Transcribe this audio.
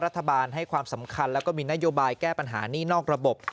รัฐบาลให้ความสำคัญแล้วก็มีนโยบายแก้ปัญหานี่นอกระบบ